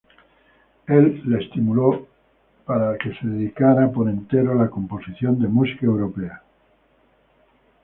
Él la estimuló en dedicarse por entero a la composición de música europea.